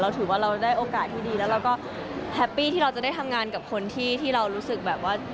ถือว่าเราได้โอกาสที่ดีแล้วเราก็แฮปปี้ที่เราจะได้ทำงานกับคนที่เรารู้สึกแบบว่า